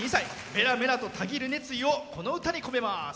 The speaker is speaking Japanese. メラメラとたぎる熱意をこの歌に込めます。